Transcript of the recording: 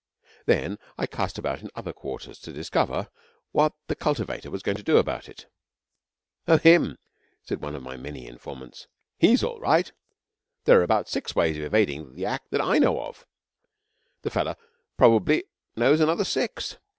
Then I cast about in other quarters to discover what the cultivator was going to do about it. 'Oh, him?' said one of my many informants. 'He's all right. There are about six ways of evading the Act that, I know of. The fellah probably knows another six.